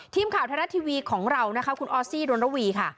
ทีมข่าวไทยรัฐทีวีของเรานะคะคุณออสซี่ดนระวีค่ะ